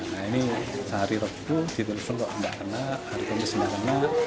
nah ini sehari repu ditelpon untuk anak anak hari komis menerima